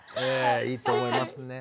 いいと思いますね。